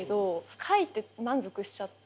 書いて満足しちゃって。